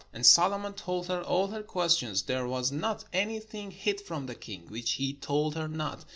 And Solomon told her all her questions: there was not anything hid from the king, which he told her not.